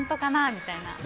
みたいな。